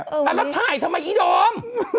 อันตรัสไทยทำไมอีโดม